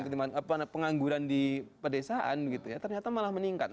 ketimpangan pengangguran di perdesaan gitu ya ternyata malah meningkat